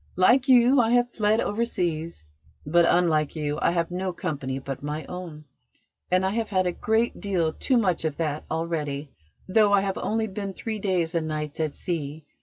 Like you, I have fled overseas, but, unlike you, I have no company but my own, and I have had a great deal too much of that already, though I have only been three days and nights at sea.